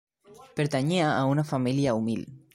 Pertanyia a una família humil.